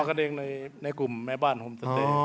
ทอกันเองในกลุ่มแม่บ้านฮมสัตเตศ